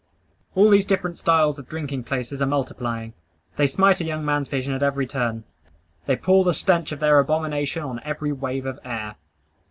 All these different styles of drinking places are multiplying. They smite a young man's vision at every turn. They pour the stench of their abomination on every wave of air.